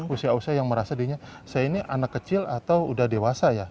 usia usia yang merasa dirinya saya ini anak kecil atau udah dewasa ya